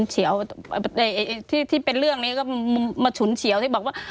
เฉียวที่เป็นเรื่องนี้ก็มาฉุนเฉียวที่บอกว่า